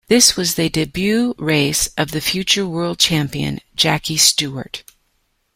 This was the debut race of the future world champion Jackie Stewart.